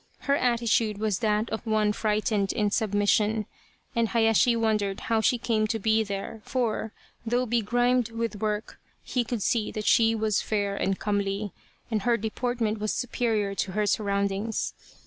Her attitude was that of one frightened in submission, and Hayashi wondered how she came to be there, for, though begrimed with work, he could see that she was fair and comely, and her deportment was superior to her surroundings.